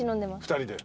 ２人で？